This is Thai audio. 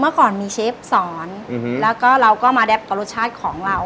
เมื่อก่อนมีเชฟสอนแล้วก็เราก็มาได้ต่อรสชาติของเรา